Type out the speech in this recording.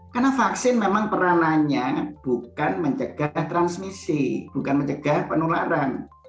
karena vaksin memang perananya bukan mencegah transmisi bukan mencegah penularan